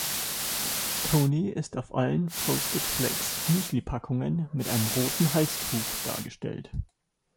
Tony ist auf allen Frosted-Flakes-Müslipackungen mit einem roten Halstuch dargestellt.